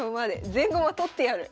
全駒取ってやる！